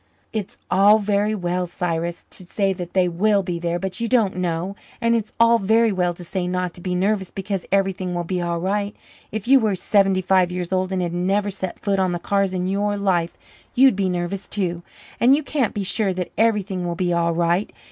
It's all very well, Cyrus, to say that they will be there, but you don't know. And it's all very well to say not to be nervous because everything will be all right. If you were seventy five years old and had never set foot on the cars in your life you'd be nervous too, and you can't be sure that everything will be all right.